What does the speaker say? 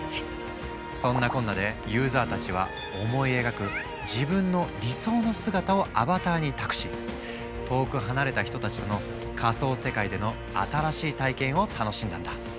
そんなこんなでユーザーたちは思い描く自分の理想の姿をアバターに託し遠く離れた人たちとの仮想世界での新しい体験を楽しんだんだ。